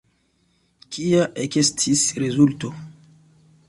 Kia ekestis rezulto?